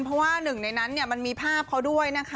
เพราะว่าหนึ่งในนั้นมันมีภาพเขาด้วยนะคะ